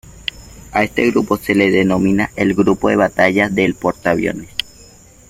A este grupo se le denomina el grupo de batalla del portaviones.